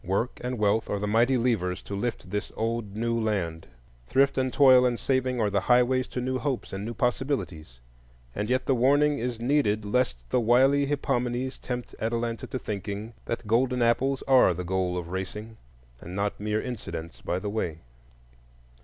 Work and wealth are the mighty levers to lift this old new land; thrift and toil and saving are the highways to new hopes and new possibilities; and yet the warning is needed lest the wily Hippomenes tempt Atalanta to thinking that golden apples are the goal of racing, and not mere incidents by the way.